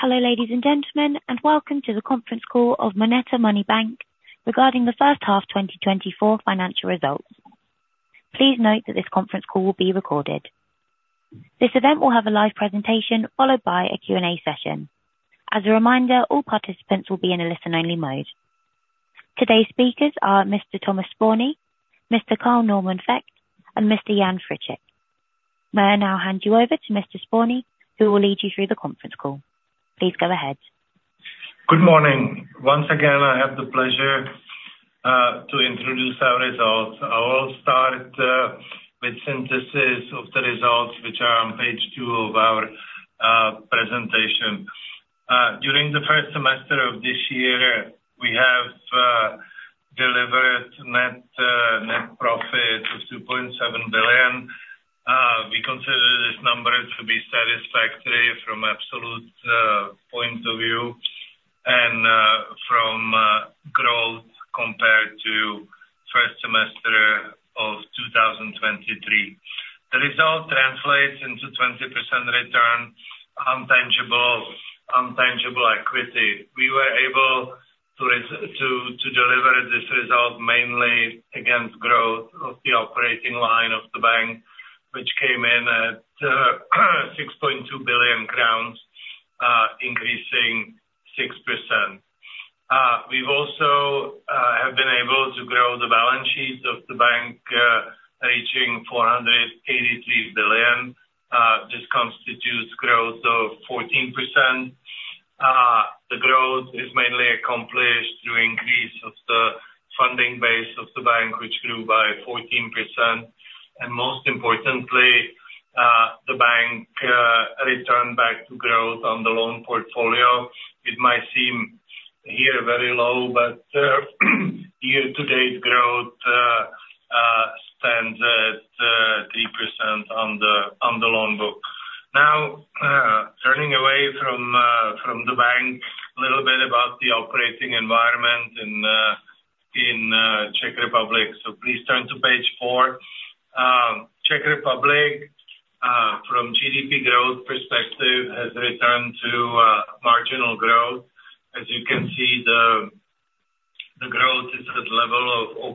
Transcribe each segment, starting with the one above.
Hello, ladies and gentlemen, and welcome to the conference call of MONETA Money Bank regarding the first half 2024 financial results. Please note that this conference call will be recorded. This event will have a live presentation followed by a Q&A session. As a reminder, all participants will be in a listen-only mode. Today's speakers are Mr. Tomáš Spurný, Mr. Carl Normann Vökt, and Mr. Jan Friček. May I now hand you over to Mr. Spurný, who will lead you through the conference call? Please go ahead. Good morning. Once again, I have the pleasure to introduce our results. I will start with synthesis of the results, which are on page two of our presentation. During the first semester of this year, we have delivered net profit of 2.7 billion. We consider this number to be satisfactory from absolute point of view and from growth compared to first semester of 2023. The result translates into 20% return on tangible equity. We were able to deliver this result mainly against growth of the operating line of the bank, which came in at 6.2 billion crowns, increasing 6%. We also have been able to grow the balance sheet of the bank, reaching 483 billion. This constitutes growth of 14%. The growth is mainly accomplished through increase of the funding base of the bank, which grew by 14%. Most importantly, the bank returned back to growth on the loan portfolio. It might seem here very low, but year-to-date growth stands at 3% on the loan book. Now, turning away from the bank, a little bit about the operating environment in Czech Republic. Please turn to page four. Czech Republic, from GDP growth perspective, has returned to marginal growth. As you can see, the growth is at the level of 0.3%,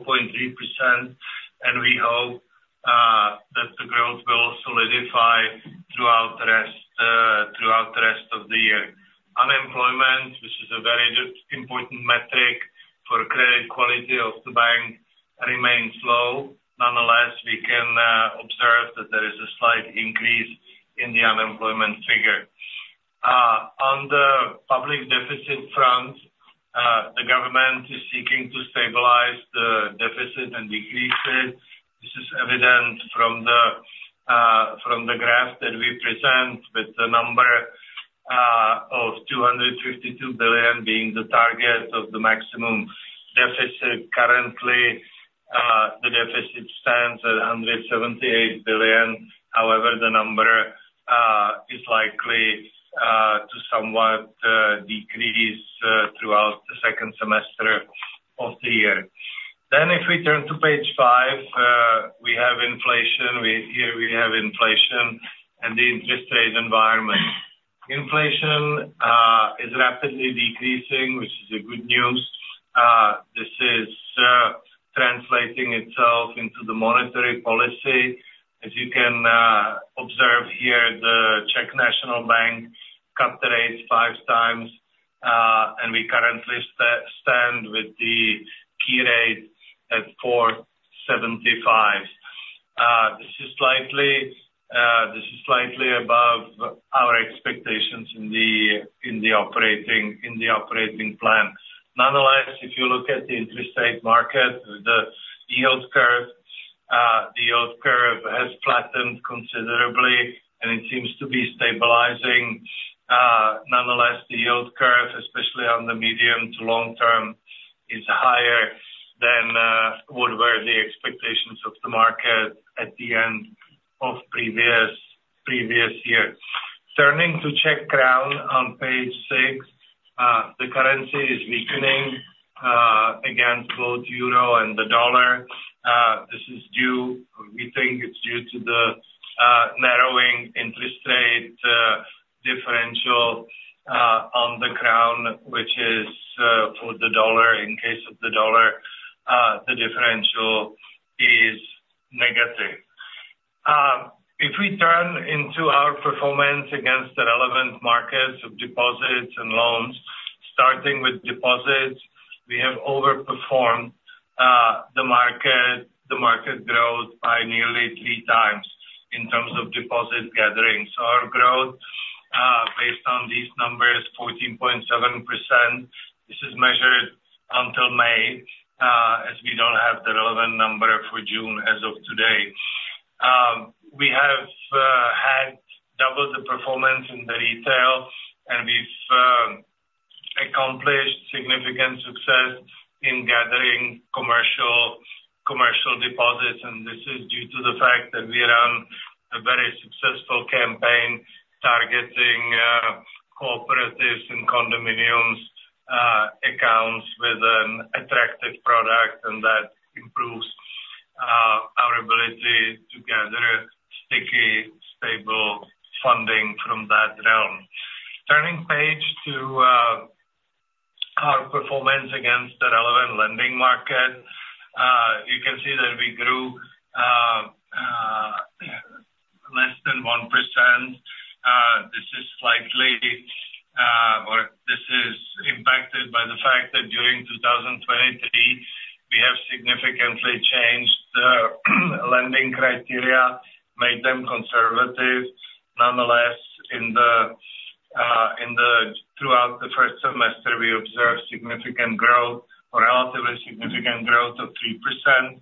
and we hope that the growth will solidify throughout the rest of the year. Unemployment, which is a very important metric for credit quality of the bank, remains low. Nonetheless, we can observe that there is a slight increase in the unemployment figure. On the public deficit front, the government is seeking to stabilize the deficit and decrease it. This is evident from the graph that we present, with the number of 252 billion being the target of the maximum deficit. Currently, the deficit stands at 178 billion. However, the number is likely to somewhat decrease throughout the second semester of the year. Then, if we turn to page five, we have inflation. Here we have inflation and the interest rate environment. Inflation is rapidly decreasing, which is good news. This is translating itself into the monetary policy. As you can observe here, the Czech National Bank cut the rates five times, and we currently stand with the key rate at 4.75%. This is slightly above our expectations in the operating plan. Nonetheless, if you look at the interest rate market, the yield curve has flattened considerably, and it seems to be stabilizing. Nonetheless, the yield curve, especially on the medium to long term, is higher than what were the expectations of the market at the end of the previous year. Turning to Czech crown on page six, the currency is weakening against both euro and the dollar. This is due, we think it's due to the narrowing interest rate differential on the crown, which is for the dollar. In case of the dollar, the differential is negative. If we turn into our performance against the relevant markets of deposits and loans, starting with deposits, we have overperformed the market growth by nearly three times in terms of deposit gathering. So our growth, based on these numbers, is 14.7%. This is measured until May, as we don't have the relevant number for June as of today. We have had double the performance in the retail, and we've accomplished significant success in gathering commercial deposits. This is due to the fact that we run a very successful campaign targeting cooperatives and condominium accounts with an attractive product, and that improves our ability to gather sticky, stable funding from that realm. Turning page to our performance against the relevant lending market, you can see that we grew less than 1%. This is slightly, or this is impacted by the fact that during 2023, we have significantly changed lending criteria, made them conservative. Nonetheless, throughout the first semester, we observed significant growth, relatively significant growth of 3%.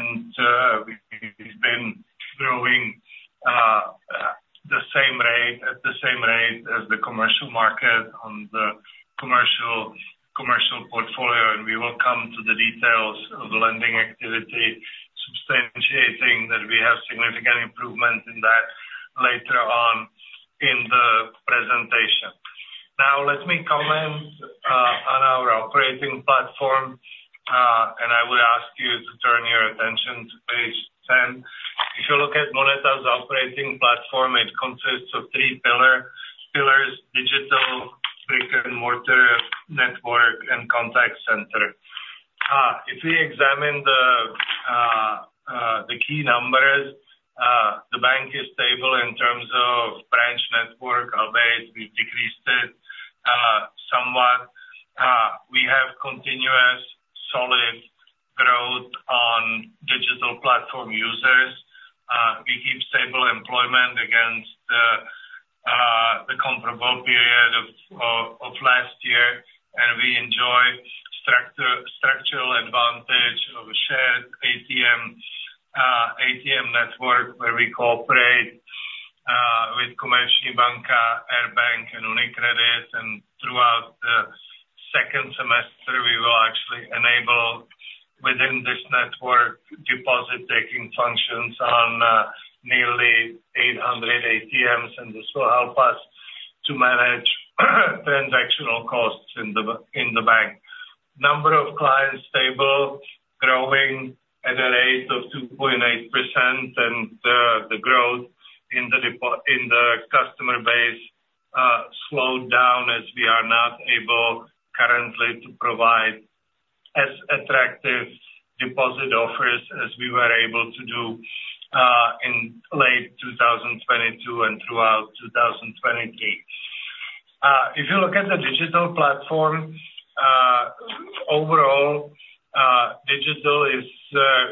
We've been growing at the same rate as the commercial market on the commercial portfolio. We will come to the details of lending activity, substantiating that we have significant improvements in that later on in the presentation. Now, let me comment on our operating platform, and I would ask you to turn your attention to page 10. If you look at MONETA's operating platform, it consists of three pillars: digital, brick-and-mortar, network, and contact center. If we examine the key numbers, the bank is stable in terms of branch network. Our base, we've decreased it somewhat. We have continuous solid growth on digital platform users. We keep stable employment against the comparable period of last year, and we enjoy structural advantage of a shared ATM network where we cooperate with Komerční banka, Air Bank, and UniCredit. And throughout the second semester, we will actually enable, within this network, deposit-taking functions on nearly 800 ATMs, and this will help us to manage transactional costs in the bank. Number of clients stable, growing at a rate of 2.8%, and the growth in the customer base slowed down as we are not able currently to provide as attractive deposit offers as we were able to do in late 2022 and throughout 2023. If you look at the digital platform, overall, digital is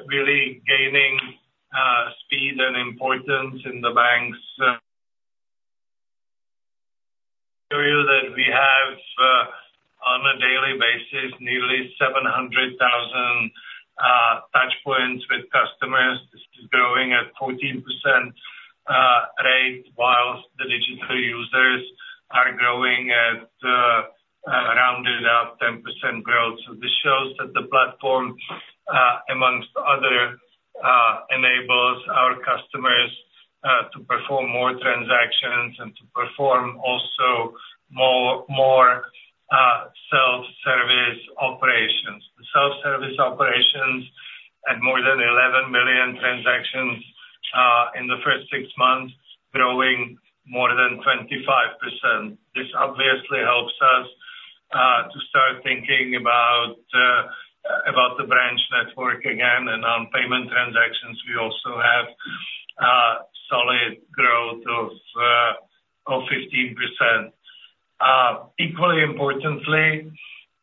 really gaining speed and importance in the bank's area. We have, on a daily basis, nearly 700,000 touchpoints with customers. This is growing at 14% rate, while the digital users are growing at rounded out 10% growth. So this shows that the platform, amongst others, enables our customers to perform more transactions and to perform also more self-service operations. The self-service operations had more than 11 million transactions in the first six months, growing more than 25%. This obviously helps us to start thinking about the branch network again. On payment transactions, we also have solid growth of 15%. Equally importantly,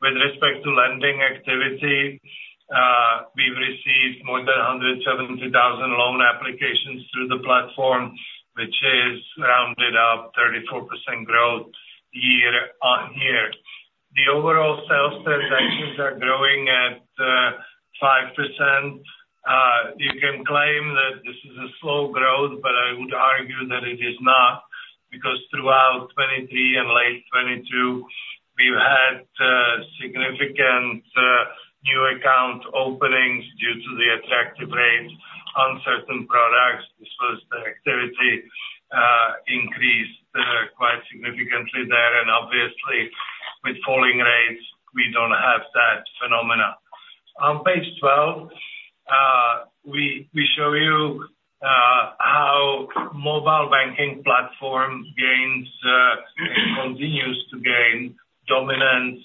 with respect to lending activity, we've received more than 170,000 loan applications through the platform, which is rounded up 34% growth year-over-year. The overall sales transactions are growing at 5%. You can claim that this is a slow growth, but I would argue that it is not, because throughout 2023 and late 2022, we've had significant new account openings due to the attractive rates on certain products. This was the activity increased quite significantly there. Obviously, with falling rates, we don't have that phenomenon. On page 12, we show you how mobile banking platform gains and continues to gain dominance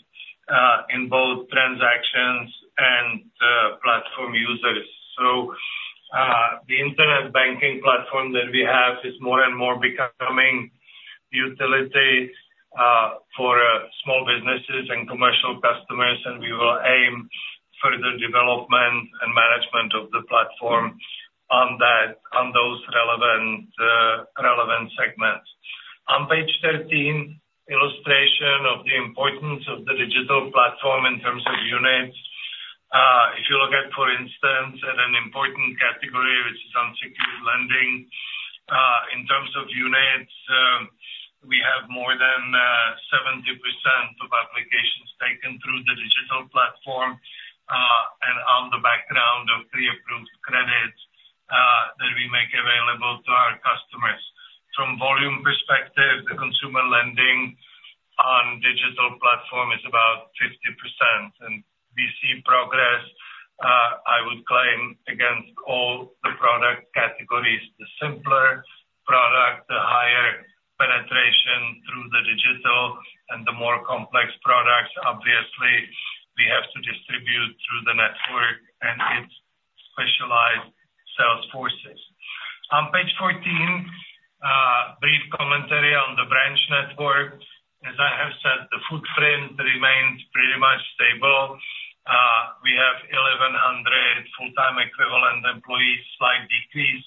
in both transactions and platform users. So the internet banking platform that we have is more and more becoming utility for small businesses and commercial customers, and we will aim further development and management of the platform on those relevant segments. On page 13, illustration of the importance of the digital platform in terms of units. If you look at, for instance, an important category, which is unsecured lending, in terms of units, we have more than 70% of applications taken through the digital platform and on the background of pre-approved credits that we make available to our customers. From volume perspective, the consumer lending on digital platform is about 50%. And we see progress, I would claim, against all the product categories. The simpler product, the higher penetration through the digital, and the more complex products, obviously, we have to distribute through the network and its specialized sales forces. On page 14, brief commentary on the branch network. As I have said, the footprint remains pretty much stable. We have 1,100 full-time equivalent employees, slight decrease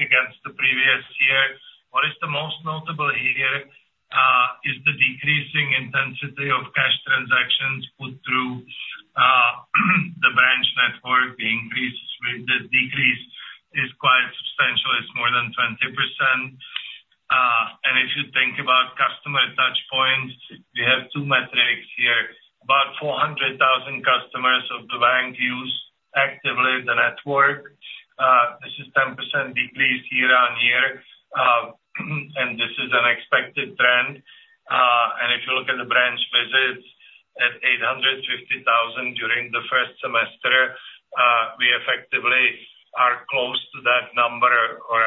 against the previous year. What is the most notable here is the decreasing intensity of cash transactions put through the branch network. The decrease is quite substantial. It's more than 20%. If you think about customer touchpoints, we have two metrics here. About 400,000 customers of the bank use actively the network. This is 10% decrease year-on-year, and this is an expected trend. If you look at the branch visits at 850,000 during the first semester, we effectively are close to that number or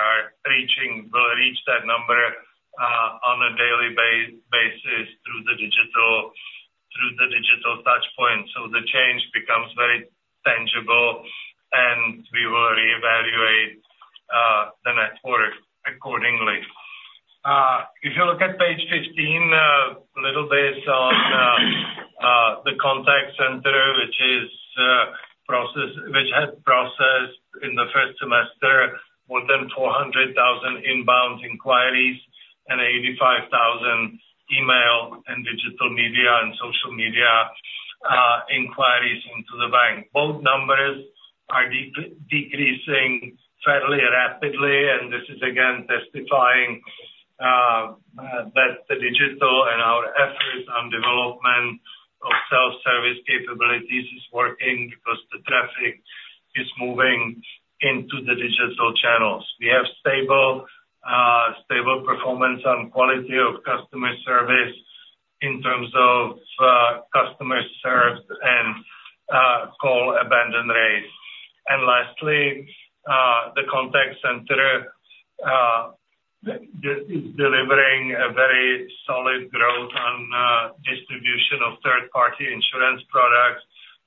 will reach that number on a daily basis through the digital touchpoints. The change becomes very tangible, and we will reevaluate the network accordingly. If you look at page 15, a little bit on the contact center, which had processed in the first semester more than 400,000 inbound inquiries and 85,000 email and digital media and social media inquiries into the bank. Both numbers are decreasing fairly rapidly, and this is again testifying that the digital and our efforts on development of self-service capabilities is working because the traffic is moving into the digital channels. We have stable performance on quality of customer service in terms of customer service and call abandon rates. And lastly, the contact center is delivering a very solid growth on distribution of third-party insurance products.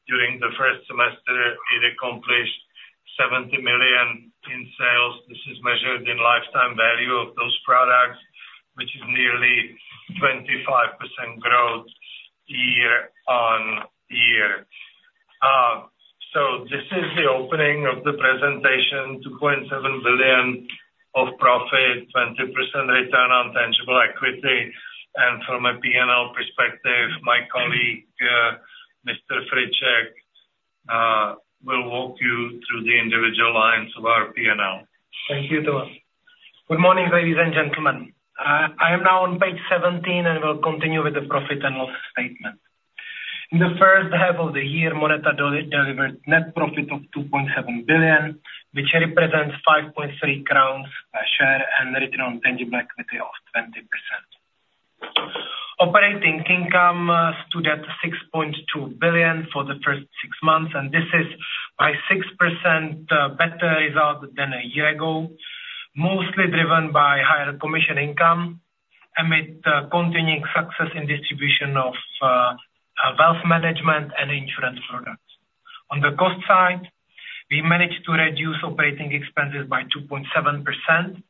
During the first semester, it accomplished 70 million in sales. This is measured in lifetime value of those products, which is nearly 25% growth year-over-year. So this is the opening of the presentation: 2.7 billion of profit, 20% return on tangible equity. From a P&L perspective, my colleague, Mr. Friček, will walk you through the individual lines of our P&L. Thank you too. Good morning, ladies and gentlemen. I am now on page 17 and will continue with the profit and loss statement. In the first half of the year, MONETA delivered net profit of 2.7 billion, which represents 5.3 crowns per share and return on tangible equity of 20%. Operating income stood at 6.2 billion for the first six months, and this is by 6% better result than a year ago, mostly driven by higher commission income amid continuing success in distribution of wealth management and insurance products. On the cost side, we managed to reduce operating expenses by 2.7%,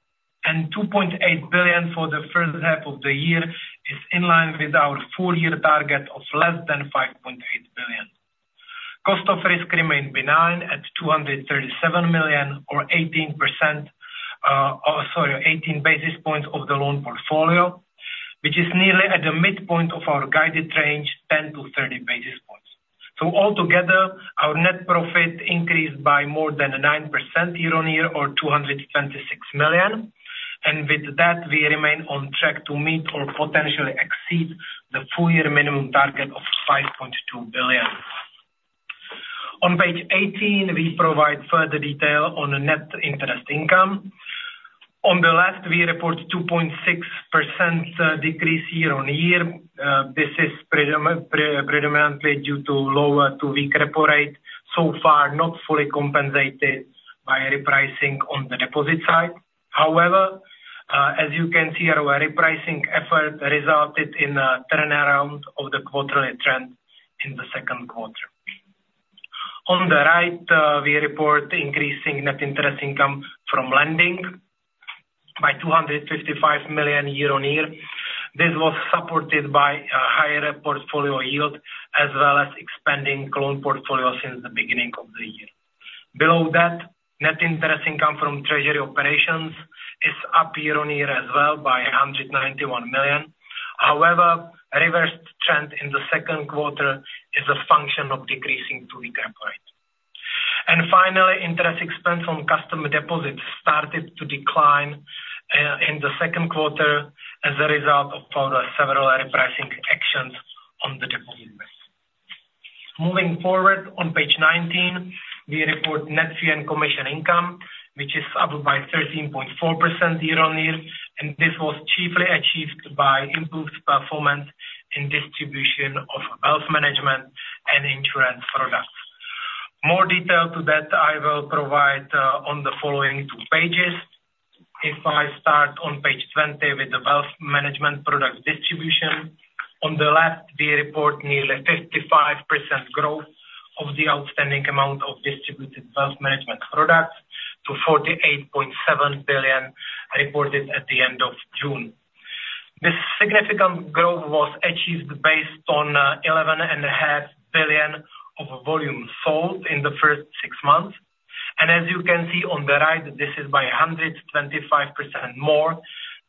and 2.8 billion for the first half of the year is in line with our full year target of less than 5.8 billion. Cost of risk remained benign at 237 million, or 18 basis points of the loan portfolio, which is nearly at the midpoint of our guided range, 10 to 30 basis points. So altogether, our net profit increased by more than 9% year-on-year, or 226 million. And with that, we remain on track to meet or potentially exceed the full-year minimum target of 5.2 billion. On page 18, we provide further detail on net interest income. On the left, we report 2.6% decrease year-on-year. This is predominantly due to lower two-week repo rate, so far not fully compensated by repricing on the deposit side. However, as you can see, our repricing effort resulted in a turnaround of the quarterly trend in the Q2. On the right, we report increasing net interest income from lending by CZK 255 million year-on-year. This was supported by a higher portfolio yield as well as expanding loan portfolios since the beginning of the year. Below that, net interest income from treasury operations is up year-on-year as well by 191 million. However, reversed trend in the Q2 is a function of decreasing two-week repo rate. And finally, interest expense on customer deposits started to decline in the Q2 as a result of several repricing actions on the deposit base. Moving forward, on page 19, we report net fee and commission income, which is up by 13.4% year-on-year. This was chiefly achieved by improved performance in distribution of wealth management and insurance products. More detail to that I will provide on the following two pages. If I start on page 20 with the wealth management product distribution, on the left, we report nearly 55% growth of the outstanding amount of distributed wealth management products to 48.7 billion reported at the end of June. This significant growth was achieved based on 11.5 billion of volume sold in the first six months. And as you can see on the right, this is by 125% more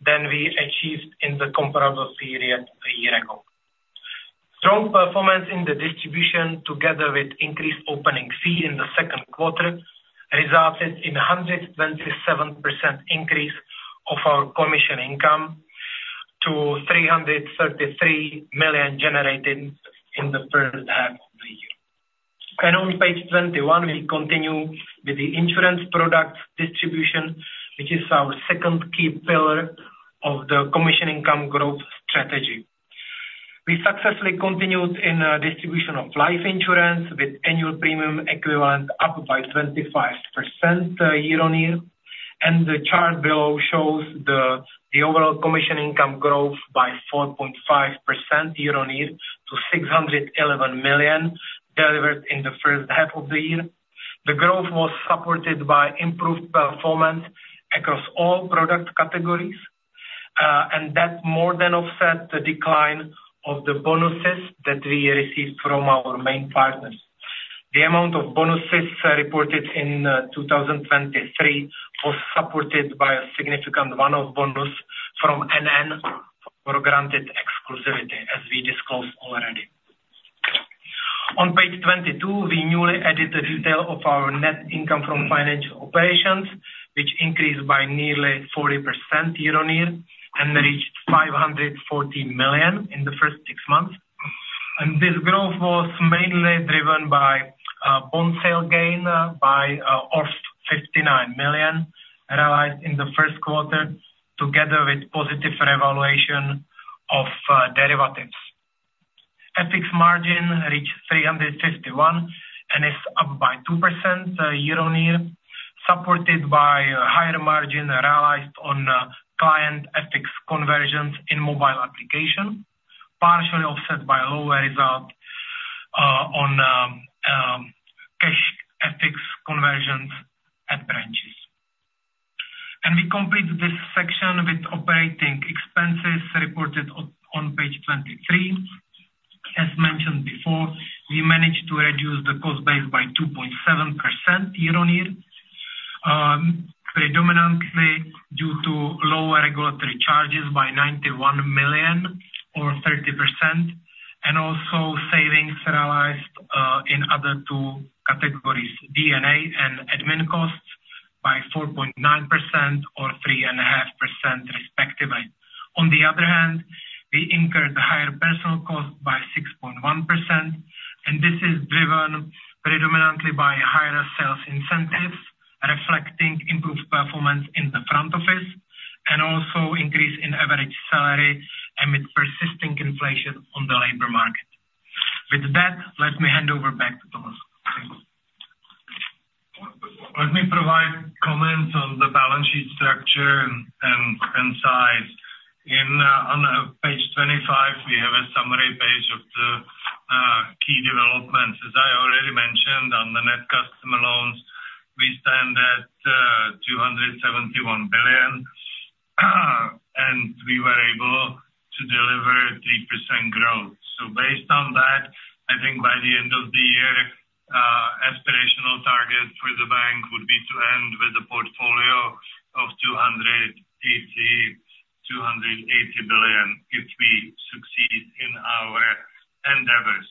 than we achieved in the comparable period a year ago. Strong performance in the distribution, together with increased opening fee in the Q2, resulted in a 127% increase of our commission income to 333 million generated in the first half of the year. And on page 21, we continue with the insurance product distribution, which is our second key pillar of the commission income growth strategy. We successfully continued in distribution of life insurance with annual premium equivalent up by 25% year-over-year. The chart below shows the overall commission income growth by 4.5% year-over-year to 611 million delivered in the first half of the year. The growth was supported by improved performance across all product categories, and that more than offset the decline of the bonuses that we received from our main partners. The amount of bonuses reported in 2023 was supported by a significant one-off bonus from NN for granted exclusivity, as we disclosed already. On page 22, we newly added a detail of our net income from financial operations, which increased by nearly 40% year-over-year and reached 540 million in the first six months. This growth was mainly driven by bond sale gain by 59 million realized in the Q1, together with positive revaluation of derivatives. FX margin reached 351 and is up by 2% year-on-year, supported by higher margin realized on client FX conversions in mobile application, partially offset by lower result on cash FX conversions at branches. We complete this section with operating expenses reported on page 23. As mentioned before, we managed to reduce the cost base by 2.7% year-on-year, predominantly due to lower regulatory charges by 91 million or 30%, and also savings realized in other two categories, D&A and admin costs, by 4.9% or 3.5%, respectively. On the other hand, we incurred a higher personal cost by 6.1%, and this is driven predominantly by higher sales incentives, reflecting improved performance in the front office and also increase in average salary amid persisting inflation on the labor market. With that, let me hand over back to Tomáš. Let me provide comments on the balance sheet structure and size. On page 25, we have a summary page of the key developments. As I already mentioned, on the net customer loans, we stand at 271 billion, and we were able to deliver 3% growth. So based on that, I think by the end of the year, aspirational target for the bank would be to end with a portfolio of 280 billion if we succeed in our endeavors.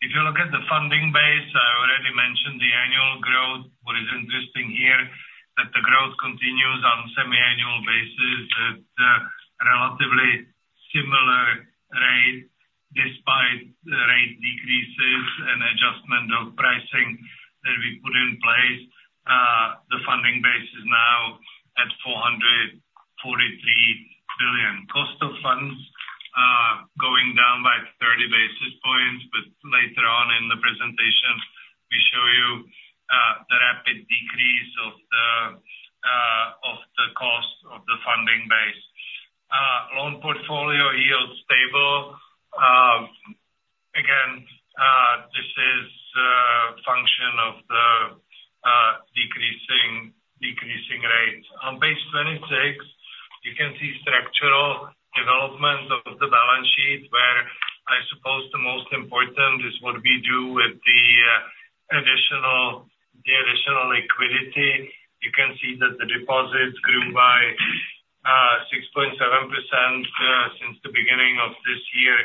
If you look at the funding base, I already mentioned the annual growth. What is interesting here is that the growth continues on semi-annual basis at a relatively similar rate, despite rate decreases and adjustment of pricing that we put in place. The funding base is now at 443 billion. Cost of funds going down by 30 basis points, but later on in the presentation, we show you the rapid decrease of the cost of the funding base. Loan portfolio yield stable. Again, this is a function of the decreasing rates. On page 26, you can see structural development of the balance sheet, where I suppose the most important is what we do with the additional liquidity. You can see that the deposits grew by 6.7% since the beginning of this year.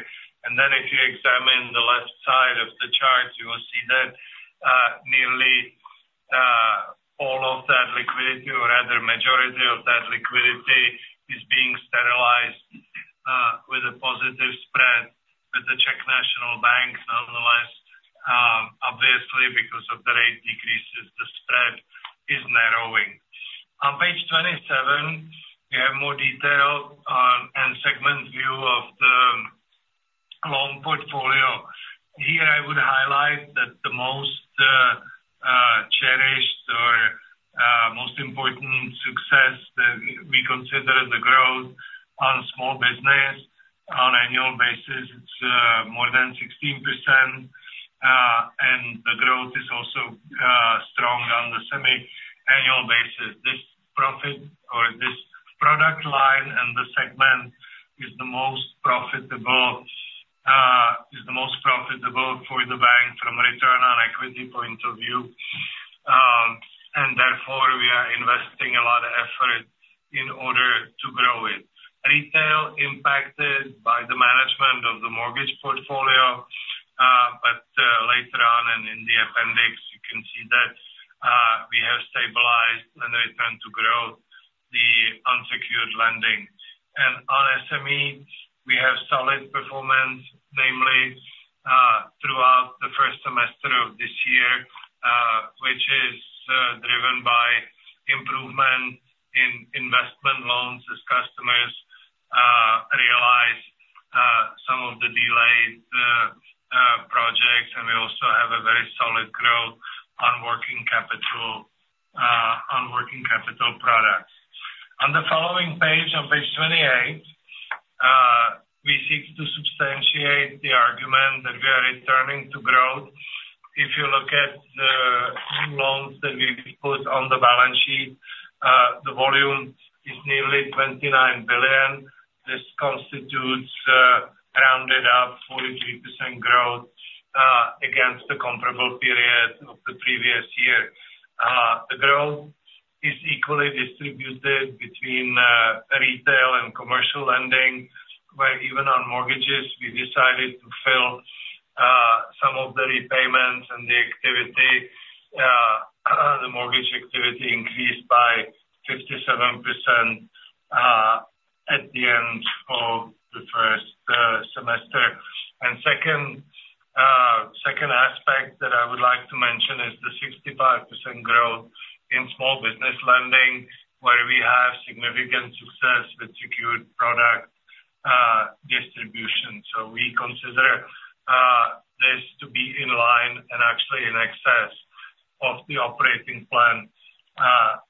Then if you examine the left side of the chart, you will see that nearly all of that liquidity, or rather majority of that liquidity, is being sterilized with a positive spread with the Czech National Bank. Nonetheless, obviously, because of the rate decreases, the spread is narrowing. On page 27, we have more detail and segment view of the loan portfolio. Here, I would highlight that the most cherished or most important success that we consider the growth on small business on annual basis is more than 16%, and the growth is also strong on the semi-annual basis. This profit or this product line and the segment is the most profitable for the bank from a return on equity point of view. And therefore, we are investing a lot of effort in order to grow it. Retail impacted by the management of the mortgage portfolio, but later on and in the appendix, you can see that we have stabilized and returned to growth the unsecured lending. On SME, we have solid performance, namely throughout the first semester of this year, which is driven by improvement in investment loans as customers realize some of the delayed projects. We also have a very solid growth on working capital products. On the following page, on page 28, we seek to substantiate the argument that we are returning to growth. If you look at the loans that we put on the balance sheet, the volume is nearly 29 billion. This constitutes, rounded up, 43% growth against the comparable period of the previous year. The growth is equally distributed between retail and commercial lending, where even on mortgages, we decided to fill some of the repayments and the mortgage activity increased by 57% at the end of the first semester. Second aspect that I would like to mention is the 65% growth in small business lending, where we have significant success with secured product distribution. So we consider this to be in line and actually in excess of the operating plan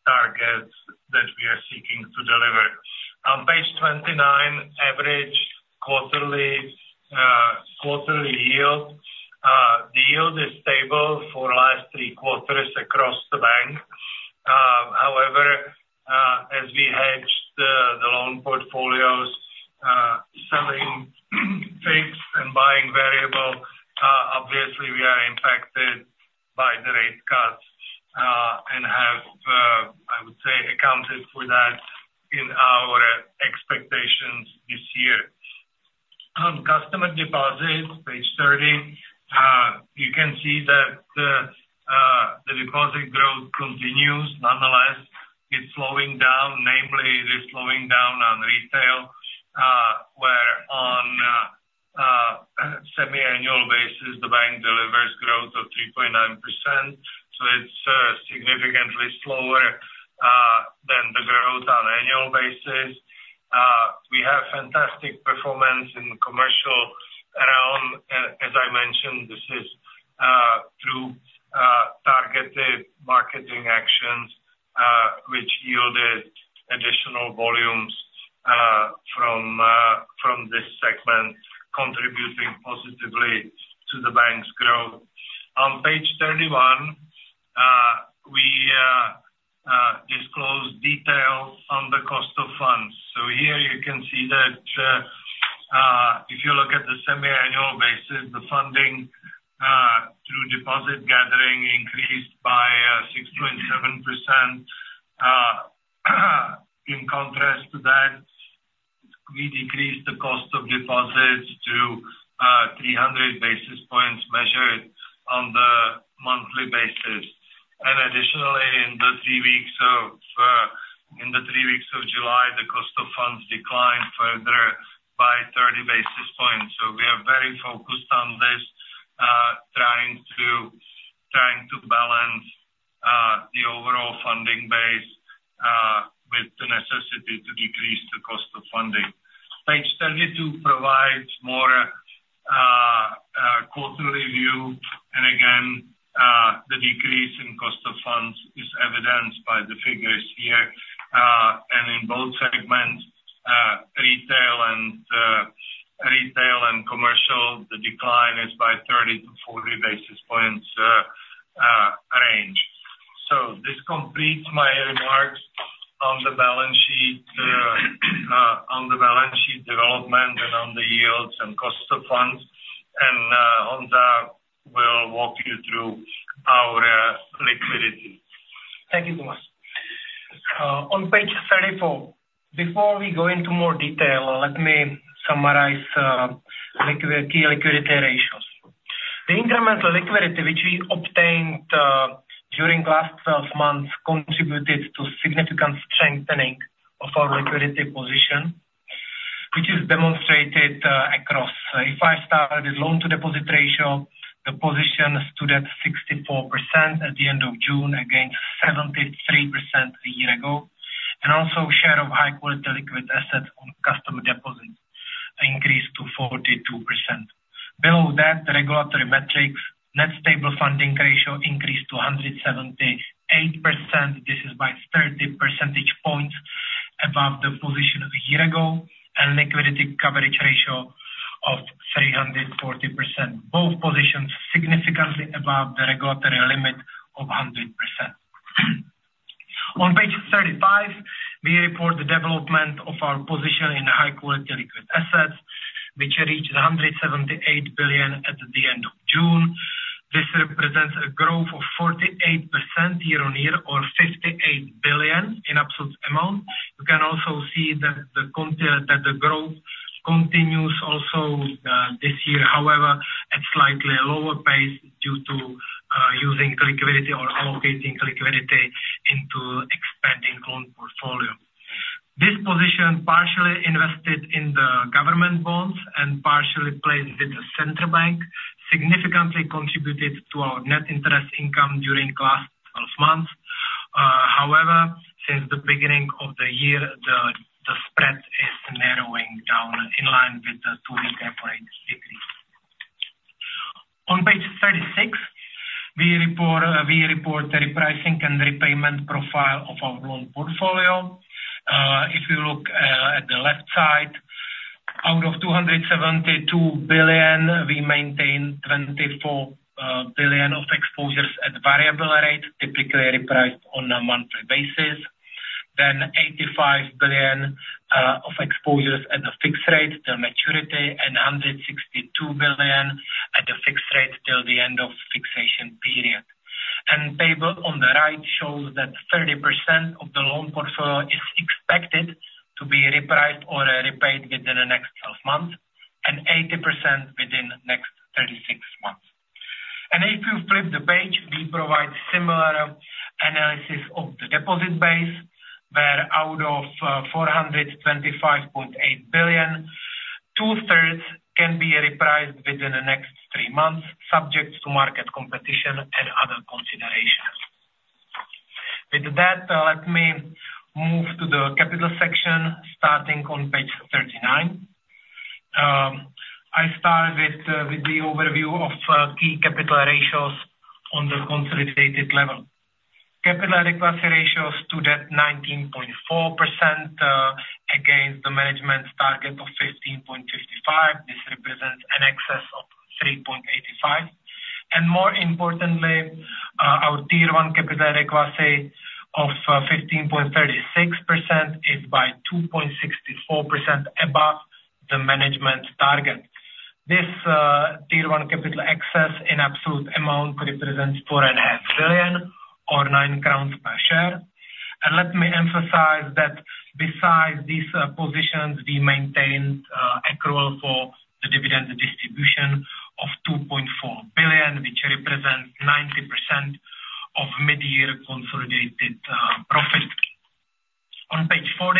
targets that we are seeking to deliver. On page 29, average quarterly yield. The yield is stable for the last three quarters across the bank. However, as we hedged the loan portfolios, selling fixed and buying variable, obviously, we are impacted by the rate cuts and have, I would say, accounted for that in our expectations this year. On customer deposits, page 30, you can see that the deposit growth continues. Nonetheless, it's slowing down. Namely, it is slowing down on retail, where on semi-annual basis, the bank delivers growth of 3.9%. So it's significantly slower than the growth on annual basis. We have fantastic performance in the commercial realm. As I mentioned, this is through targeted marketing actions, which yielded additional volumes from this segment, contributing positively to the bank's growth. On page 31, we disclose details on the cost of funds. So here, you can see that if you look at the semi-annual basis, the funding through deposit gathering increased by 6.7%. In contrast to that, we decreased the cost of deposits to 300 basis points measured on the monthly basis. And additionally, in the three weeks of July, the cost of funds declined further by 30 basis points. We are very focused on this, trying to balance the overall funding base with the necessity to decrease the cost of funding. Page 32 provides more quarterly view. Again, the decrease in cost of funds is evidenced by the figures here. In both segments, retail and commercial, the decline is by 30-40 basis points range. This completes my remarks on the balance sheet, on the balance sheet development, and on the yields and cost of funds. On that, we'll walk you through our liquidity. Thank you so much. On page 34, before we go into more detail, let me summarize the key liquidity ratios. The incremental liquidity which we obtained during the last 12 months contributed to significant strengthening of our liquidity position, which is demonstrated across. If I start with loan-to-deposit ratio, the position stood at 64% at the end of June, against 73% a year ago. Share of high-quality liquid assets on customer deposits increased to 42%. Below that, the regulatory metrics, net stable funding ratio increased to 178%. This is by 30 percentage points above the position a year ago, and liquidity coverage ratio of 340%. Both positions significantly above the regulatory limit of 100%. On page 35, we report the development of our position in high-quality liquid assets, which reached 178 billion at the end of June. This represents a growth of 48% year-on-year, or 58 billion in absolute amount. You can also see that the growth continues also this year, however, at slightly lower pace due to using liquidity or allocating liquidity into expanding loan portfolio. This position partially invested in the government bonds and partially placed with the central bank, significantly contributed to our net interest income during the last 12 months. However, since the beginning of the year, the spread is narrowing down in line with the two-week average decrease. On page 36, we report the repricing and repayment profile of our loan portfolio. If you look at the left side, out of 272 billion, we maintain 24 billion of exposures at variable rate, typically repriced on a monthly basis. Then 85 billion of exposures at the fixed rate till maturity, and 162 billion at the fixed rate till the end of the fixation period. And the table on the right shows that 30% of the loan portfolio is expected to be repriced or repaid within the next 12 months, and 80% within the next 36 months. If you flip the page, we provide similar analysis of the deposit base, where out of 425.8 billion, two-thirds can be repriced within the next three months, subject to market competition and other considerations. With that, let me move to the capital section, starting on page 39. I start with the overview of key capital ratios on the consolidated level. Capital adequacy ratios stood at 19.4% against the management target of 15.55%. This represents an excess of 3.85%. And more importantly, our Tier 1 capital adequacy of 15.36% is by 2.64% above the management target. This Tier 1 capital excess in absolute amount represents 4.5 billion, or 9 crowns per share. And let me emphasize that besides these positions, we maintained accrual for the dividend distribution of 2.4 billion, which represents 90% of mid-year consolidated profit. On page 40,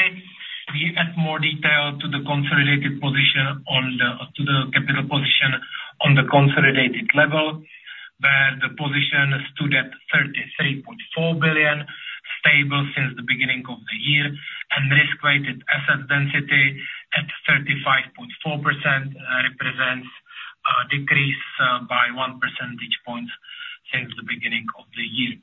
we add more detail to the consolidated position on the capital position on the consolidated level, where the position stood at 33.4 billion, stable since the beginning of the year. Risk-weighted asset density at 35.4% represents a decrease by 1 percentage point since the beginning of the year.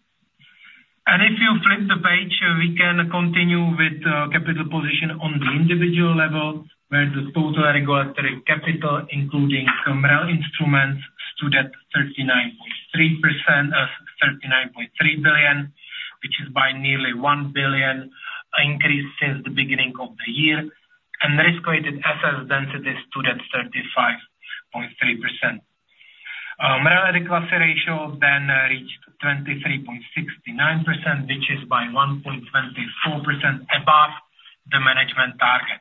If you flip the page, we can continue with capital position on the individual level, where the total regulatory capital, including some real instruments, stood at 39.3 billion, which is by nearly 1 billion increase since the beginning of the year. Risk-weighted asset density stood at 35.3%. Capital adequacy ratio then reached 23.69%, which is by 1.24% above the management target.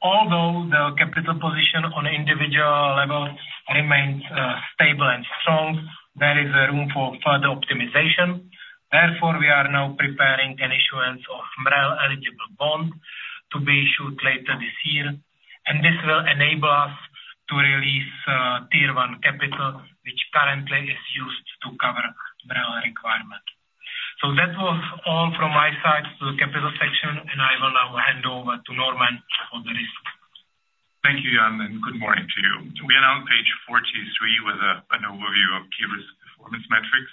Although the capital position on the individual level remains stable and strong, there is room for further optimization. Therefore, we are now preparing an issuance of MREL eligible bonds to be issued later this year. This will enable us to release Tier 1 capital, which currently is used to cover MREL requirements. That was all from my side to the capital section, and I will now hand over to Normann for the risk. Thank you, Jan, and good morning to you. We are now on page 43 with an overview of key risk performance metrics.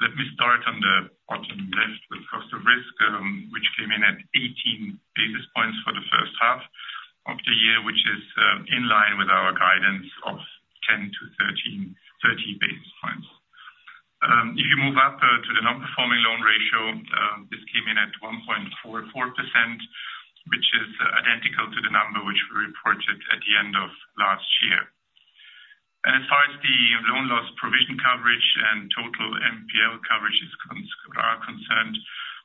Let me start on the bottom left with cost of risk, which came in at 18 basis points for the first half of the year, which is in line with our guidance of 10-13 basis points. If you move up to the non-performing loan ratio, this came in at 1.44%, which is identical to the number which we reported at the end of last year. As far as the loan loss provision coverage and total NPL coverage are concerned,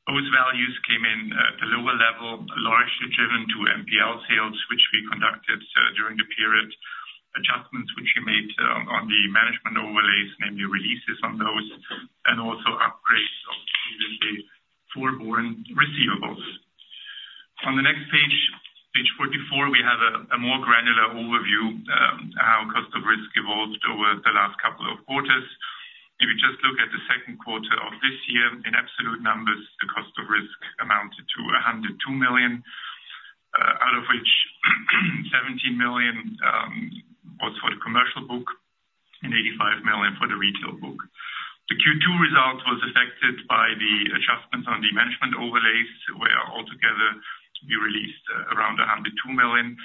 those values came in at the lower level, largely driven by NPL sales, which we conducted during the period, adjustments which we made on the management overlays, namely releases on those, and also upgrades of previously forborne receivables. On the next page, page 44, we have a more granular overview of how cost of risk evolved over the last couple of quarters. If you just look at the Q2 of this year, in absolute numbers, the cost of risk amounted to 102 million, out of which 17 million was for the commercial book and 85 million for the retail book. The Q2 result was affected by the adjustments on the management overlays, where altogether we released around 102 million.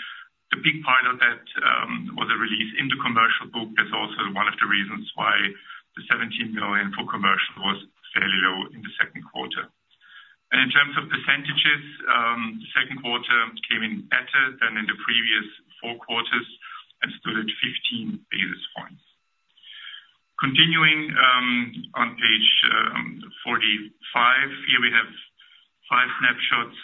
A big part of that was a release in the commercial book. That's also one of the reasons why the 17 million for commercial was fairly low in the Q2. In terms of percentages, the Q2 came in better than in the previous four quarters and stood at 15 basis points. Continuing on page 45, here we have five snapshots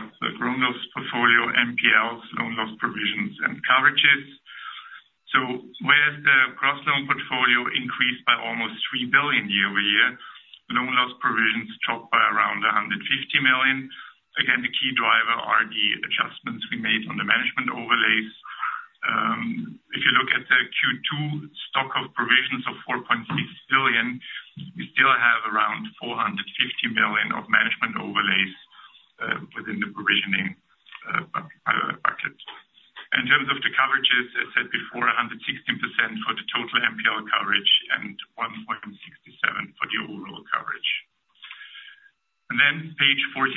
of the growth of portfolio, NPLs, loan loss provisions, and coverages. Whereas the gross loan portfolio increased by almost 3 billion year-over-year, loan loss provisions dropped by around 150 million. Again, the key driver are the adjustments we made on the management overlays. If you look at the Q2 stock of provisions of 4.6 billion, we still have around 450 million of management overlays within the provisioning bucket. In terms of the coverages, as I said before, 116% for the total NPL coverage and 1.67% for the overall coverage. Then page 46,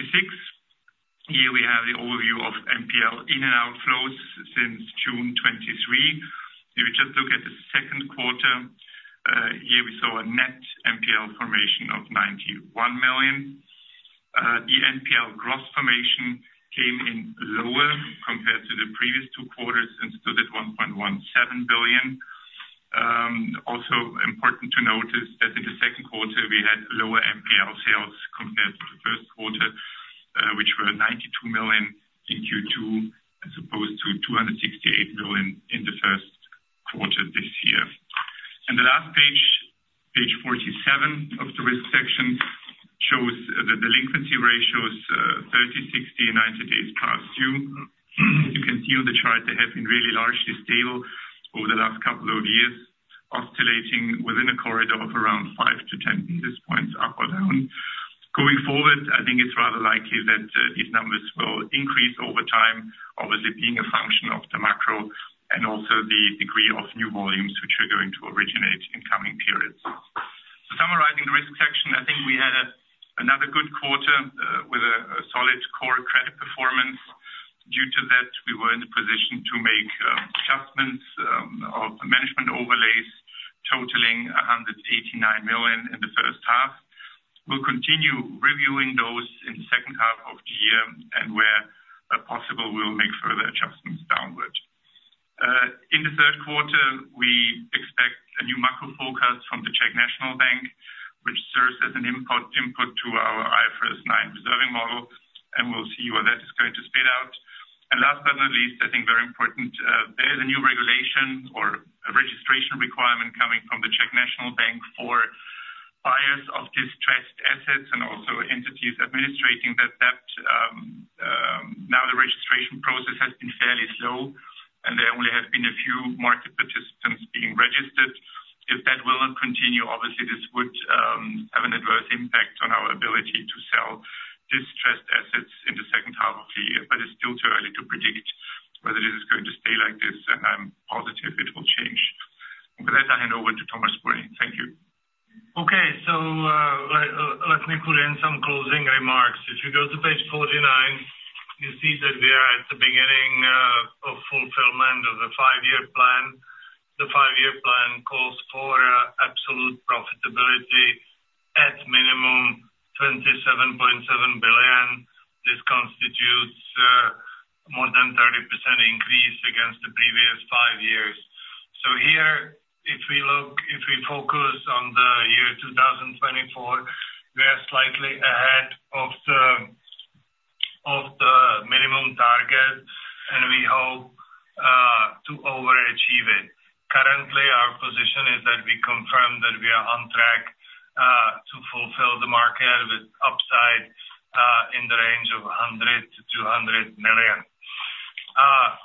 here we have the overview of NPL inflows and outflows since June 2023. If you just look at the Q2, here we saw a net NPL formation of 91 million. The NPL gross formation came in lower compared to the previous two quarters and stood at 1.17 billion. Also important to notice that in the Q2, we had lower NPL sales compared to the Q1, which were 92 million in Q2 as opposed to 268 million in the Q1 this year. And the last page, page 47 of the risk section, shows the delinquency ratios 30, 60, and 90 days past due. As you can see on the chart, they have been really largely stable over the last couple of years, oscillating within a corridor of around 5 to 10 basis points up or down. Going forward, I think it's rather likely that these numbers will increase over time, obviously being a function of the macro and also the degree of new volumes which are going to originate in coming periods. Summarizing the risk section, I think we had another good quarter with a solid core credit performance. Due to that, we were in a position to make adjustments of management overlays, totaling 189 million in the first half. We'll continue reviewing those in the second half of the year, and where possible, we'll make further adjustments downward. In the Q3, we expect a new macro forecast from the Czech National Bank, which serves as an input to our IFRS 9 reserving model, and we'll see where that is going to spit out. Last but not least, I think very important, there is a new regulation or registration requirement coming from the Czech National Bank for buyers of distressed assets and also entities administrating that debt. Now the registration process has been fairly slow, and there only have been a few market participants being registered. If that will not continue, obviously this would have an adverse impact on our ability to sell distressed assets in the second half of the year. But it's still too early to predict whether this is going to stay like this, and I'm positive it will change. With that, I hand over to Tomáš Spurný. Thank you. Okay, so let me put in some closing remarks. If you go to page 49, you see that we are at the beginning of fulfillment of the five-year plan. The five-year plan calls for absolute profitability at minimum 27.7 billion. This constitutes more than 30% increase against the previous five years. So here, if we focus on the year 2024, we are slightly ahead of the minimum target, and we hope to overachieve it. Currently, our position is that we confirm that we are on track to fulfill the market with upside in the range of 100 million-200 million.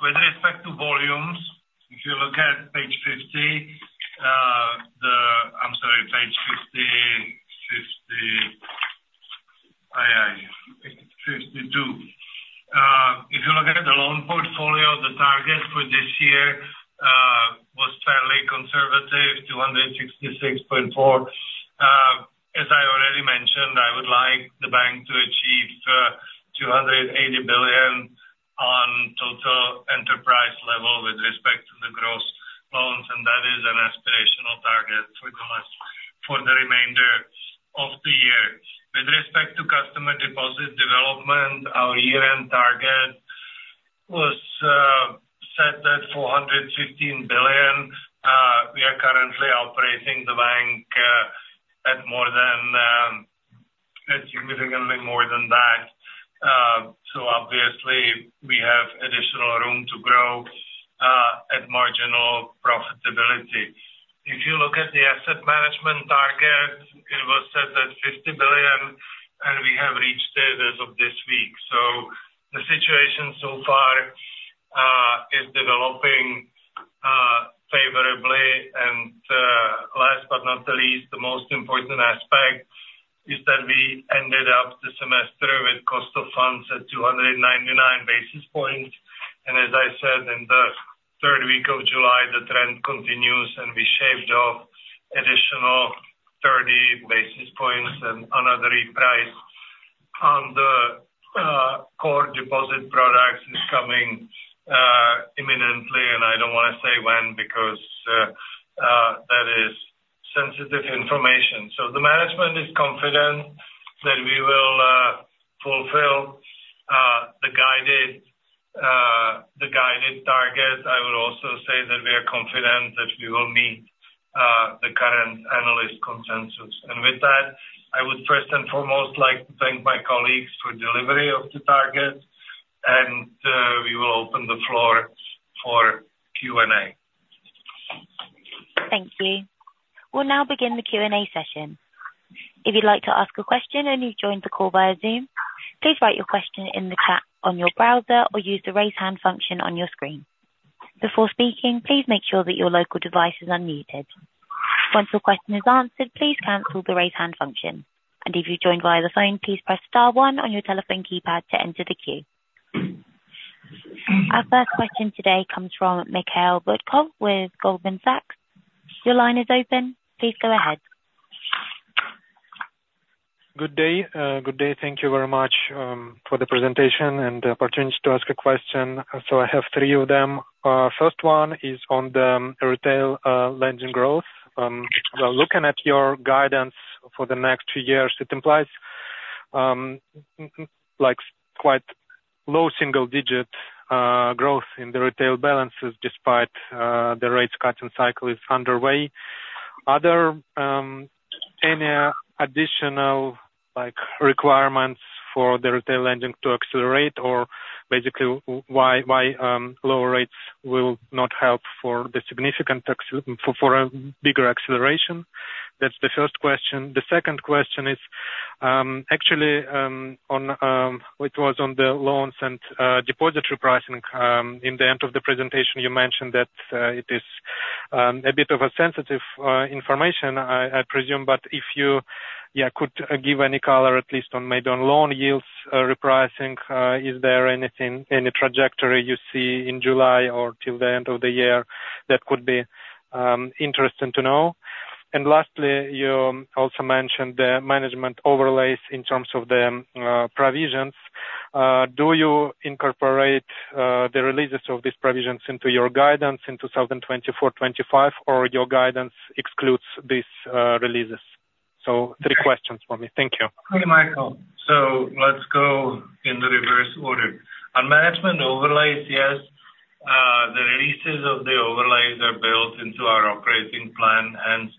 With respect to volumes, if you look at page 50, I'm sorry, page 52. If you look at the loan portfolio, the target for this year was fairly conservative, 266.4 billion. As I already mentioned, I would like the bank to achieve 280 billion on total enterprise level with respect to the gross loans, and that is an aspirational target for the remainder of the year. With respect to customer deposit development, our year-end target was set at 415 billion. We are currently operating the bank at significantly more than that. So obviously, we have additional room to grow at marginal profitability. If you look at the asset management target, it was set at 50 billion, and we have reached it as of this week. So the situation so far is developing favorably. And last but not the least, the most important aspect is that we ended up this semester with cost of funds at 299 basis points. And as I said, in the third week of July, the trend continues, and we shaved off additional 30 basis points and another reprice on the core deposit products is coming imminently. And I don't want to say when because that is sensitive information. So the management is confident that we will fulfill the guided target. I will also say that we are confident that we will meet the current analyst consensus. With that, I would first and foremost like to thank my colleagues for delivery of the target, and we will open the floor for Q&A. Thank you. We'll now begin the Q&A session. If you'd like to ask a question and you've joined the call via Zoom, please write your question in the chat on your browser or use the raise hand function on your screen. Before speaking, please make sure that your local device is unmuted. Once your question is answered, please cancel the raise hand function. And if you've joined via the phone, please press star one on your telephone keypad to enter the queue. Our first question today comes from Mikhail Butkov with Goldman Sachs. Your line is open. Please go ahead. Good day. Good day. Thank you very much for the presentation and the opportunity to ask a question. I have three of them. First one is on the retail lending growth. Looking at your guidance for the next two years, it implies quite low single-digit growth in the retail balances despite the rate cutting cycle is underway. Are there any additional requirements for the retail lending to accelerate, or basically why lower rates will not help for the significant for a bigger acceleration? That's the first question. The second question is actually it was on the loans and depository pricing. In the end of the presentation, you mentioned that it is a bit of a sensitive information, I presume. But if you could give any color at least on maybe on loan yields repricing, is there any trajectory you see in July or till the end of the year that could be interesting to know? And lastly, you also mentioned the management overlays in terms of the provisions. Do you incorporate the releases of these provisions into your guidance in 2024-25, or your guidance excludes these releases? So three questions for me. Thank you. Thank you, Mikhail. So let's go in the reverse order. On management overlays, yes, the releases of the overlays are built into our operating plan, and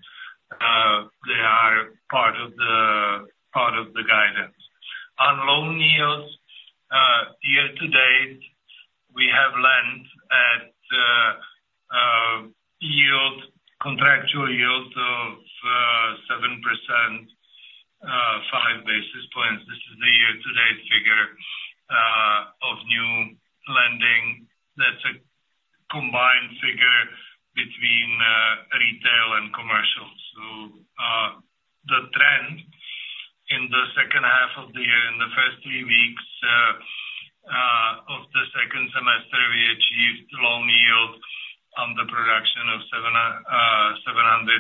they are part of the guidance. On loan yields, year to date, we have lent at contractual yields of 7%, 5 basis points. This is the year-to-date figure of new lending. That's a combined figure between retail and commercial. So the trend in the second half of the year, in the first three weeks of the second semester, we achieved loan yield on the production of 740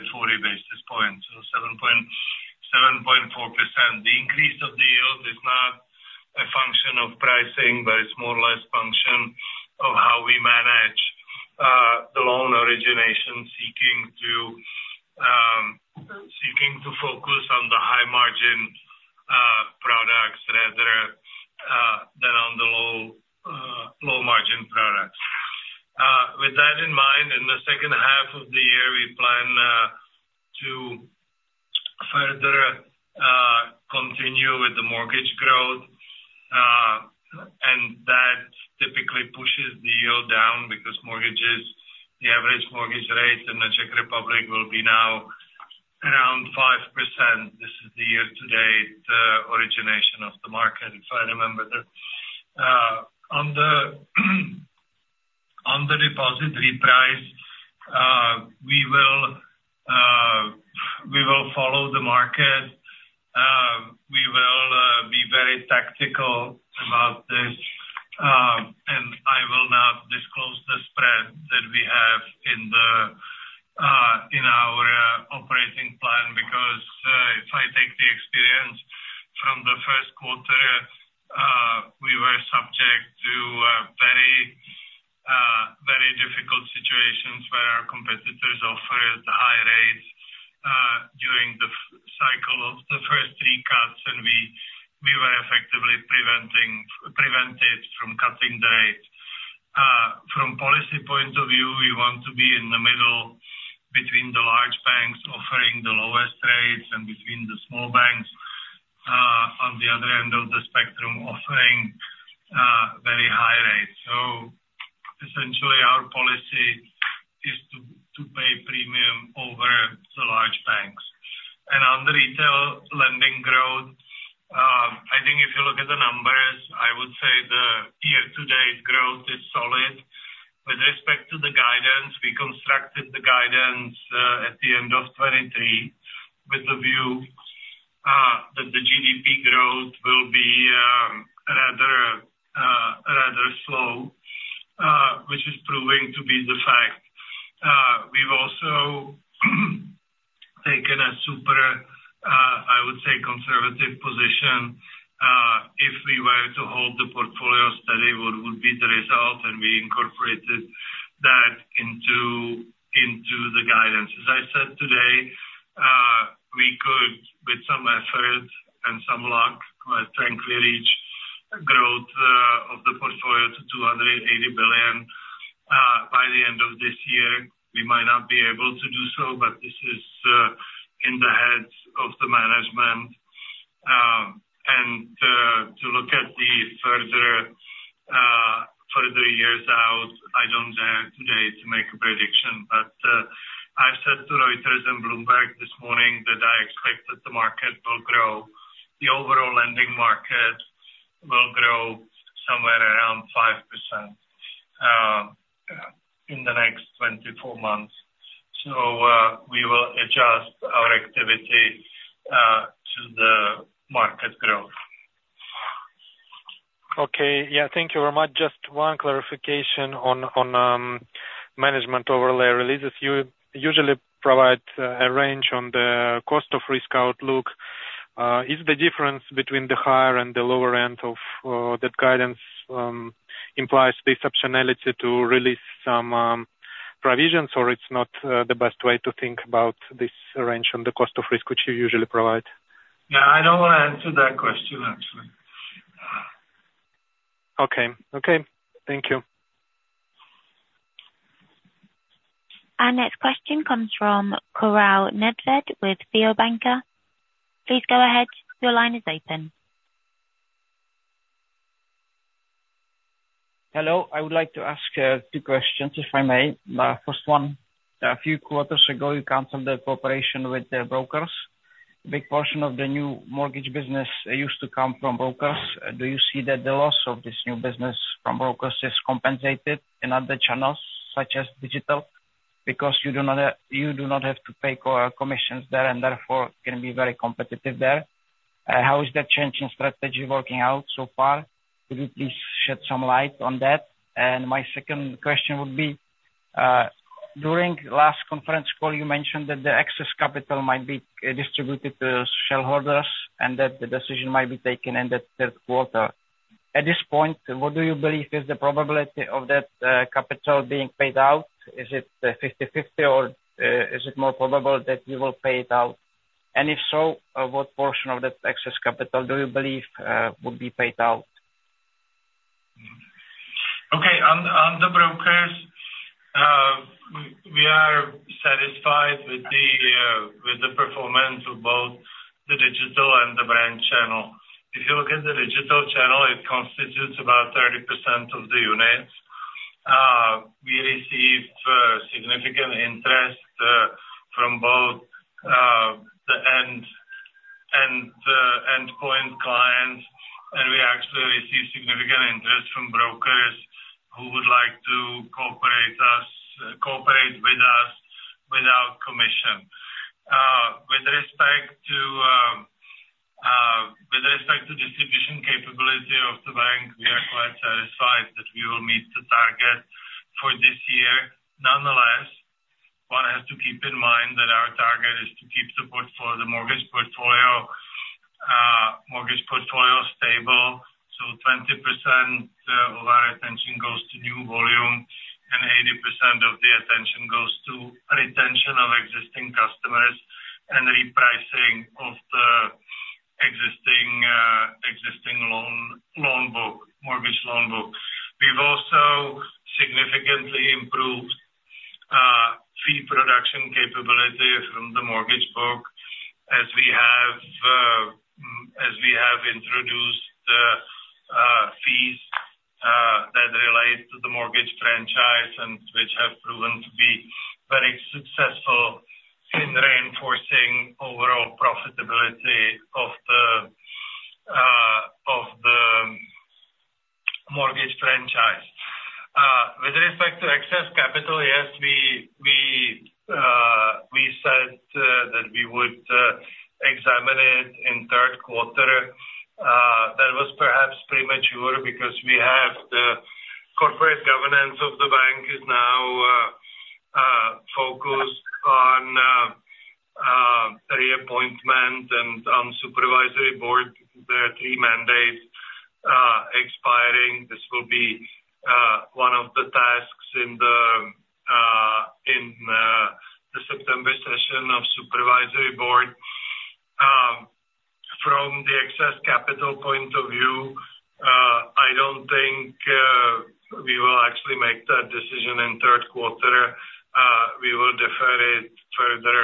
basis points, so 7.4%. The increase of the yield is not a function of pricing, but it's more or less a function of how we manage the loan origination, seeking to focus on the high-margin products rather than on the low-margin products. With that in mind, in the second half of the year, we plan to further continue with the mortgage growth, and that typically pushes the yield down because mortgages, the average mortgage rate in the Czech Republic will be now around 5%. This is the year-to-date origination of the market, if I remember. On the deposit reprice, we will follow the market. We will be very tactical about this, and I will not disclose the spread that we have in our operating plan because if I take the experience from the Q1, we were subject to very difficult situations where our competitors offered high rates during the cycle of the first three cuts, and we were effectively prevented from cutting the rate. From policy point of view, we want to be in the middle between the large banks offering the lowest rates and between the small banks on the other end of the spectrum offering very high rates. So essentially, our policy is to pay premium over the large banks. And on the retail lending growth, I think if you look at the numbers, I would say the year-to-date growth is solid. With respect to the guidance, we constructed the guidance at the end of 2023 with the view that the GDP growth will be rather slow, which is proving to be the fact. We've also taken a super, I would say, conservative position. If we were to hold the portfolio steady, what would be the result? And we incorporated that into the guidance. As I said today, we could, with some effort and some luck, quite frankly, reach a growth of the portfolio to 280 billion by the end of this year. We might not be able to do so, but this is in the heads of the management. And to look at the further years out, I don't dare today to make a prediction. But I've said to Reuters and Bloomberg this morning that I expect that the market will grow. The overall lending market will grow somewhere around 5% in the next 24 months. So we will adjust our activity to the market growth. Okay. Yeah. Thank you very much. Just one clarification on management overlays releases. You usually provide a range on the cost of risk outlook. Is the difference between the higher and the lower end of that guidance implies the exceptionality to release some provisions, or it's not the best way to think about this range on the cost of risk, which you usually provide? Yeah. I don't want to answer that question, actually. Okay. Okay. Thank you. Our next question comes from Karel Nedvěd with Fio banka. Please go ahead. Your line is open. Hello. I would like to ask two questions, if I may. First one. A few quarters ago, you canceled the cooperation with the brokers. A big portion of the new mortgage business used to come from brokers. Do you see that the loss of this new business from brokers is compensated in other channels, such as digital, because you do not have to pay commissions there and therefore can be very competitive there? How is that change in strategy working out so far? Could you please shed some light on that? My second question would be, during last conference call, you mentioned that the excess capital might be distributed to shareholders and that the decision might be taken in the Q3. At this point, what do you believe is the probability of that capital being paid out? Is it 50/50, or is it more probable that you will pay it out? And if so, what portion of that excess capital do you believe would be paid out? Okay. On the brokers, we are satisfied with the performance of both the digital and the branch channel. If you look at the digital channel, it constitutes about 30% of the units. We receive significant interest from both the endpoint clients, and we actually receive significant interest from brokers who would like to cooperate with us without commission. With respect to distribution capability of the bank, we are quite satisfied that we will meet the target for this year. Nonetheless, one has to keep in mind that our target is to keep the mortgage portfolio stable. So 20% of our attention goes to new volume, and 80% of the attention goes to retention of existing customers and repricing of the existing mortgage loan book. We've also significantly improved fee production capability from the mortgage book as we have introduced fees that relate to the mortgage franchise and which have proven to be very successful in reinforcing overall profitability of the mortgage franchise. With respect to excess capital, yes, we said that we would examine it in Q3. That was perhaps premature because we have the corporate governance of the bank is now focused on reappointment and on supervisory board. There are three mandates expiring. This will be one of the tasks in the September session of supervisory board. From the excess capital point of view, I don't think we will actually make that decision in Q3. We will defer it further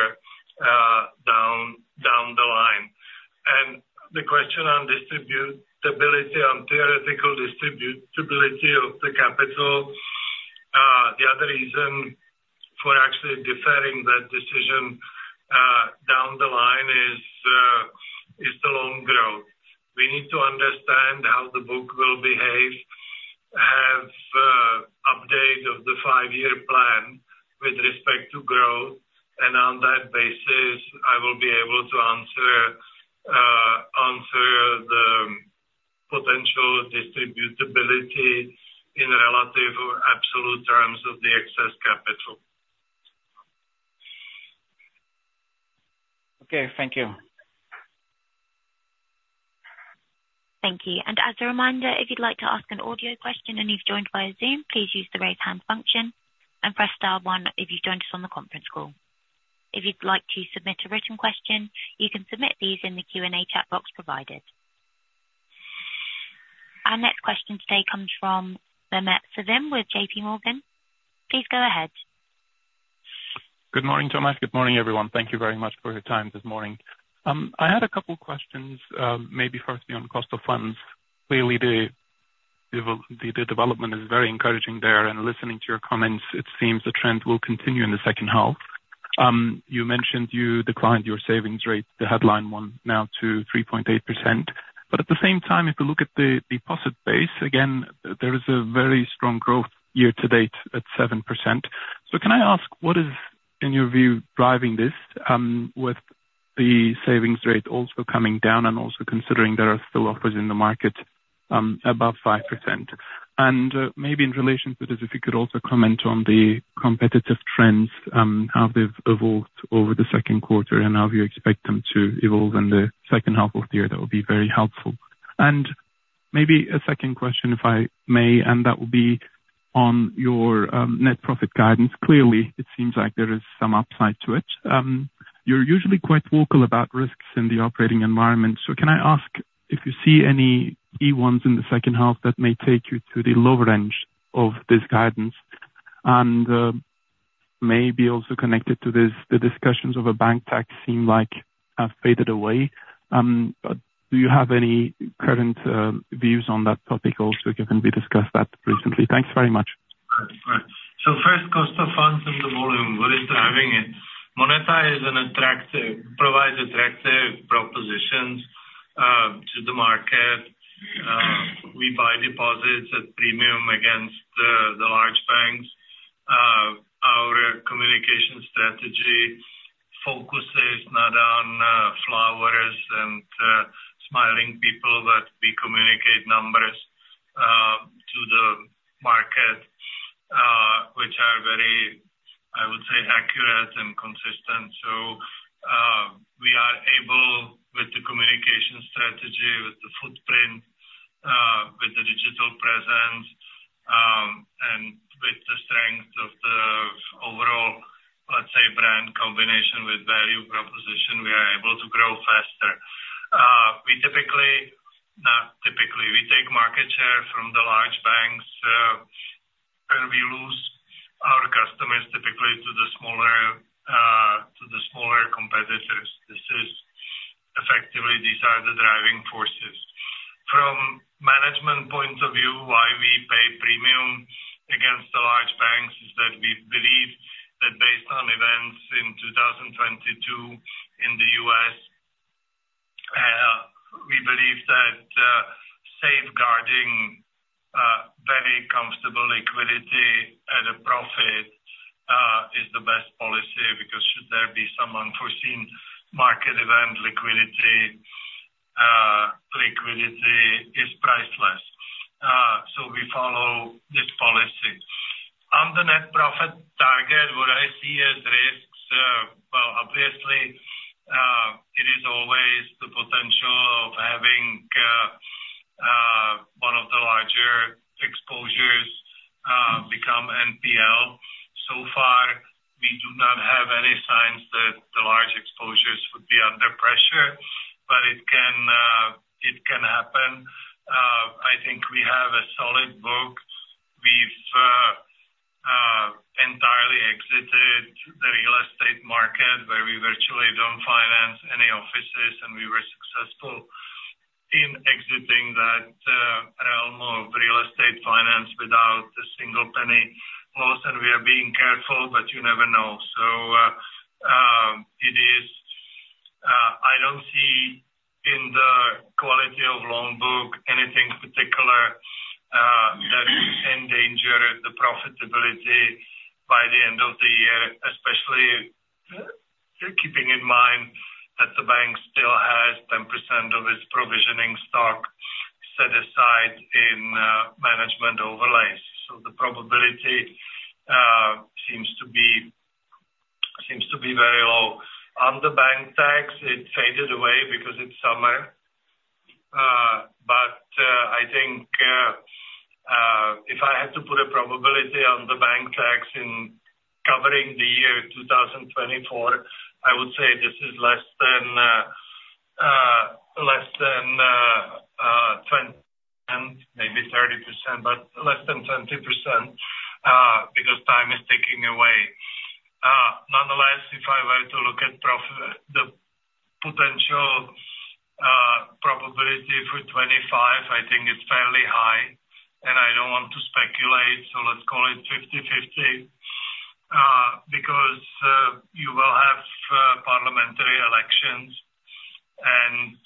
down the line. The question on theoretical distributability of the capital, the other reason for actually deferring that decision down the line is the loan growth. We need to understand how the book will behave, have update of the five-year plan with respect to growth, and on that basis, I will be able to answer the potential distributability in relative or absolute terms of the excess capital. Okay. Thank you. Thank you. As a reminder, if you'd like to ask an audio question and you've joined via Zoom, please use the raise hand function and press star one if you've joined us on the conference call. If you'd like to submit a written question, you can submit these in the Q&A chat box provided. Our next question today comes from Mehmet Sevim with J.P. Morgan. Please go ahead. Good morning, Tomáš. Good morning, everyone. Thank you very much for your time this morning. I had a couple of questions, maybe firstly on cost of funds. Clearly, the development is very encouraging there, and listening to your comments, it seems the trend will continue in the second half. You mentioned you declined your savings rate, the headline one now to 3.8%. But at the same time, if we look at the deposit base, again, there is a very strong growth year-to-date at 7%. So can I ask, what is, in your view, driving this with the savings rate also coming down and also considering there are still offers in the market above 5%? And maybe in relation to this, if you could also comment on the competitive trends, how they've evolved over the Q2 and how you expect them to evolve in the second half of the year, that would be very helpful. And maybe a second question, if I may, and that would be on your net profit guidance. Clearly, it seems like there is some upside to it. You're usually quite vocal about risks in the operating environment. So can I ask if you see any key ones in the second half that may take you to the lower end of this guidance? And maybe also connected to this, the discussions of a bank tax seem like have faded away. Do you have any current views on that topic also? Can we discuss that recently? Thanks very much. All right. So first, cost of funds and the volume, what is driving it? MONETA provides attractive propositions to the market. We buy deposits at premium against the large banks. Our communication strategy focuses not on flowers and smiling people, but we communicate numbers to the market, which are very, I would say, accurate and consistent. So we are able, with the communication strategy, with the footprint, with the digital presence, and with the strength of the overall, let's say, brand combination with value proposition, we are able to grow faster. Not typically. We take market share from the large banks, and we lose our customers typically to the smaller competitors. This is effectively these are the driving forces. From management point of view, why we pay premium against the large banks is that we believe that based on events in 2022 in the U.S., we believe that safeguarding very comfortable liquidity at a profit is the best policy because should there be some unforeseen market event, liquidity is priceless. So we follow this policy. On the net profit target, what I see as risks, well, obviously, it is always the potential of having one of the larger exposures become NPL. So far, we do not have any signs that the large exposures would be under pressure, but it can happen. I think we have a solid book. We've entirely exited the real estate market where we virtually don't finance any offices, and we were successful in exiting that realm of real estate finance without a single penny loss. And we are being careful, but you never know. So I don't see in the quality of loan book anything particular that endangers the profitability by the end of the year, especially keeping in mind that the bank still has 10% of its provisioning stock set aside in management overlays. So the probability seems to be very low. On the bank tax, it faded away because it's summer. But I think if I had to put a probability on the bank tax in covering the year 2024, I would say this is less than 20%, maybe 30%, but less than 20% because time is ticking away. Nonetheless, if I were to look at the potential probability for 2025, I think it's fairly high, and I don't want to speculate, so let's call it 50/50 because you will have parliamentary elections, and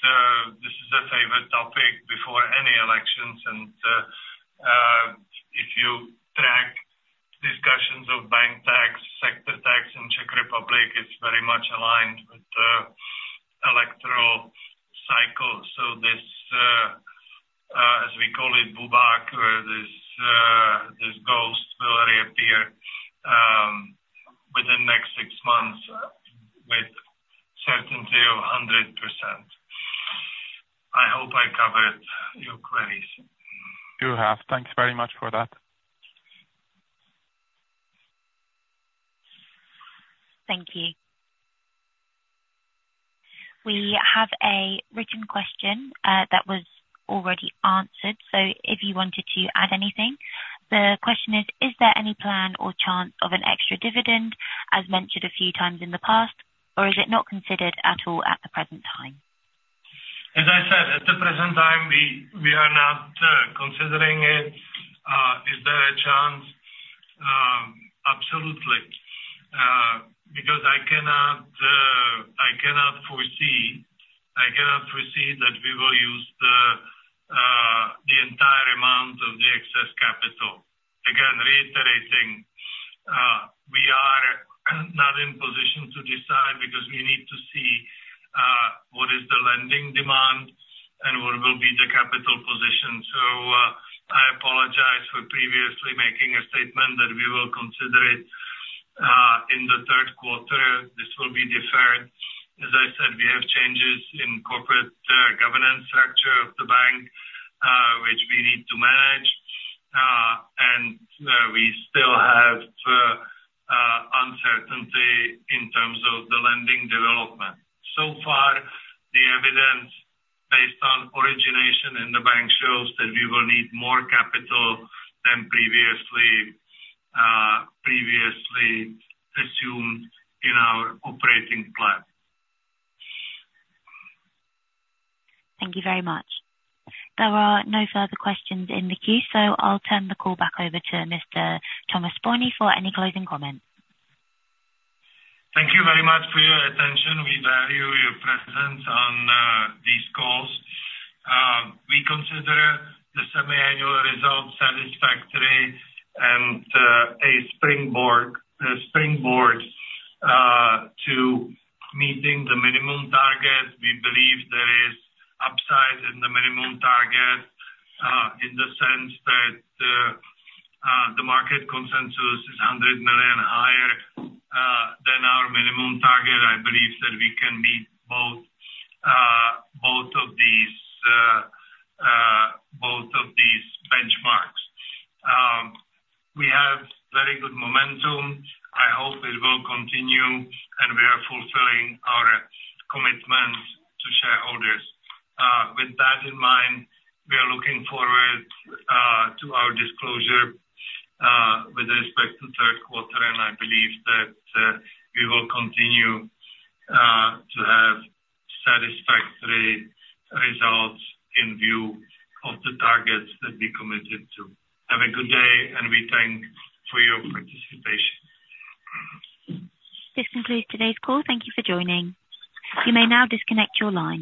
this is a favorite topic before any elections. And if you track discussions of bank tax, sector tax in the Czech Republic, it's very much aligned with the electoral cycle. So this, as we call it, bubák, or this ghost will reappear within the next six months with certainty of 100%. I hope I covered your queries. You have. Thanks very much for that. Thank you. We have a written question that was already answered, so if you wanted to add anything? The question is, is there any plan or chance of an extra dividend, as mentioned a few times in the past, or is it not considered at all at the present time? As I said, at the present time, we are not considering it. Is there a chance? Absolutely. Because I cannot foresee that we will use the entire amount of the excess capital. Again, reiterating, we are not in position to decide because we need to see what is the lending demand and what will be the capital position. So I apologize for previously making a statement that we will consider it in the Q3. This will be deferred. As I said, we have changes in corporate governance structure of the bank, which we need to manage, and we still have uncertainty in terms of the lending development. So far, the evidence based on origination in the bank shows that we will need more capital than previously assumed in our operating plan. Thank you very much. There are no further questions in the queue, so I'll turn the call back over to Mr. Tomáš Spurný for any closing comments. Thank you very much for your attention. We value your presence on these calls. We consider the semiannual results satisfactory and a springboard to meeting the minimum target. We believe there is upside in the minimum target in the sense that the market consensus is 100 million higher than our minimum target. I believe that we can meet both of these benchmarks. We have very good momentum. I hope it will continue, and we are fulfilling our commitment to shareholders. With that in mind, we are looking forward to our disclosure with respect to Q3, and I believe that we will continue to have satisfactory results in view of the targets that we committed to. Have a good day, and we thank you for your participation. This concludes today's call. Thank you for joining. You may now disconnect your line.